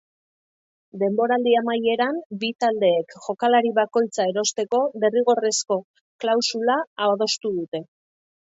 Denboraldi amaieran bi taldeek jokalari bakoitza erosteko derrigorrezko klausula adostu dute.